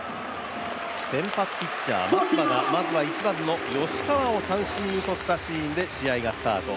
先発ピッチャー・松葉がまずは吉川を三振に取ったシーンで、試合がスタート。